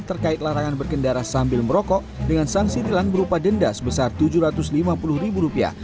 terkait larangan berkendara sambil merokok dengan sanksi tilang berupa denda sebesar rp tujuh ratus lima puluh